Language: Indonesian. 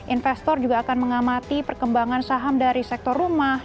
investor juga akan mengamati perkembangan saham dari sektor rumah